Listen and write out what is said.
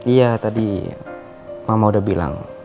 iya tadi mama udah bilang